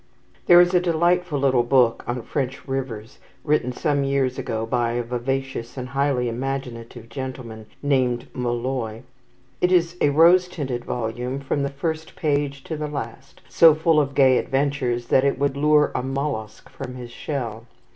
There is a delightful little book on French rivers, written some years ago by a vivacious and highly imaginative gentleman named Molloy. It is a rose tinted volume from the first page to the last, so full of gay adventures that it would lure a mollusc from his shell.